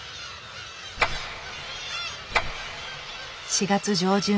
４月上旬。